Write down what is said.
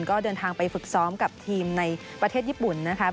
ก็เดินทางไปฝึกซ้อมกับทีมในประเทศญี่ปุ่นนะคะ